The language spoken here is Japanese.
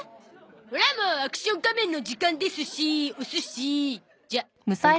オラも『アクション仮面』の時間ですしおすしじゃ！